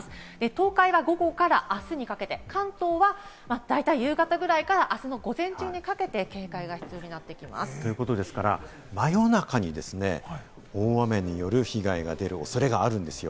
東海は午後からあすにかけて、関東は大体夕方ぐらいから明日の午前中にかけて警戒が必要になっということですから夜中に大雨による被害が出る恐れがあるんですよ。